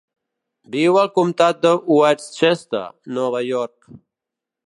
Viu al comtat de Westchester, Nova York.